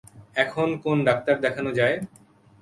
এখন কোন ডাক্তার দেখানো যায়?